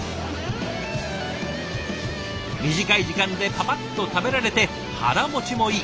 短い時間でパパッと食べられて腹持ちもいい。